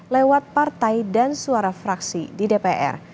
lewat partai dan suara fraksi di dpr